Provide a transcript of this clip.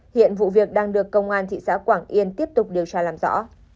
hiện vụ việc đang được công an thị xã quảng yên tiếp tục điều tra làm rõ